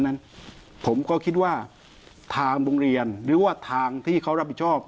นั้นผมก็คิดว่าทางโรงเรียนหรือว่าทางที่เขารับผิดชอบ